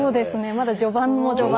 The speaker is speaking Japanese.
まだ序盤も序盤。